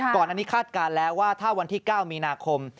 ก่อนอันนี้คาดการณ์แล้วว่าถ้าวันที่๙มีนาคม